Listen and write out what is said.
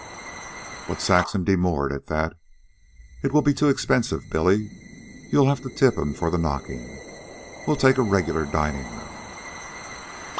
Saxon demurred at that. "It will be too expensive, Billy. You'll have to tip him for the knocking. We'll take the regular dining room."